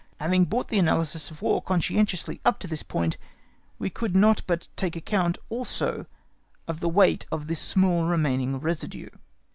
Having brought the analysis of War conscientiously up to this point, we could not but take account also of the weight of this small remaining residue.